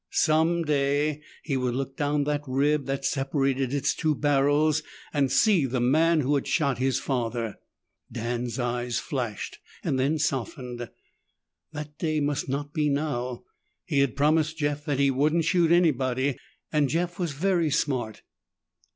Some day he would look down the rib that separated its two barrels and see the man who had shot his father. Dan's eyes flashed, then softened. That day must not be now; he had promised Jeff that he wouldn't shoot anybody and Jeff was very smart.